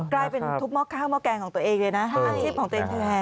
กลายเป็นทุบหม้อข้าวหม้อแกงของตัวเองเลยนะอาชีพของตัวเองแทน